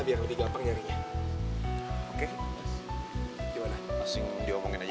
biar lebih gampang nyarinya